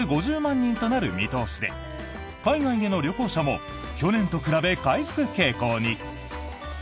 過去最多のおよそ２４５０万人となる見通しで海外への旅行者も去年と比べ回復傾向に。